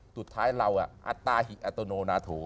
สุดท้ายเราอัตราหิอัตโนนาโถ